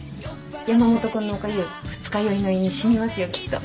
山本君のおかゆ二日酔いの胃に染みますよきっと。